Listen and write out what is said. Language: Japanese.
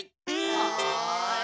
はい。